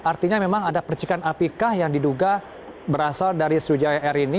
artinya memang ada percikan api kah yang diduga berasal dari sriwijaya air ini